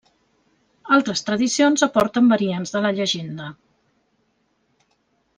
Altres tradicions aporten variants de la llegenda.